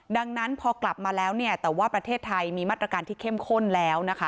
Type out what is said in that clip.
ดังนั้นพอกลับมาแล้วเนี่ยแต่ว่าประเทศไทยมีมาตรการที่เข้มข้นแล้วนะคะ